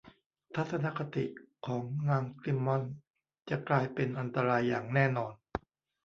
ทัศนคติของนางซิมมอนส์จะกลายเป็นอันตรายอย่างแน่นอน